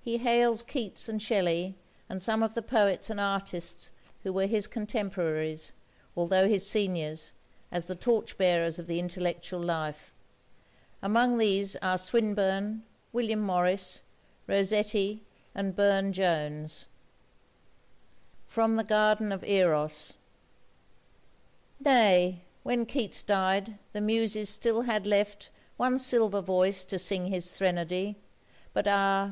He hails Keats and Shelley and some of the poets and artists who were his contemporaries, although his seniors, as the torch bearers of the intellectual life. Among these are Swinburne, William Morris, Rossetti, and Brune Jones.] NAY, when Keats died the Muses still had left One silver voice to sing his threnody, But ah!